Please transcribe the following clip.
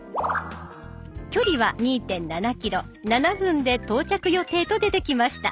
距離は２．７ｋｍ７分で到着予定と出てきました。